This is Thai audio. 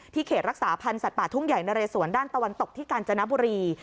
เขตรักษาพันธ์สัตว์ป่าทุ่งใหญ่นะเรสวนด้านตะวันตกที่กาญจนบุรี